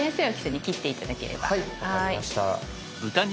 はい分かりました。